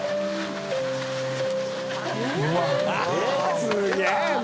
すげえな。